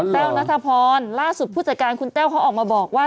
แต้วนัทพรล่าสุดผู้จัดการคุณแต้วเขาออกมาบอกว่า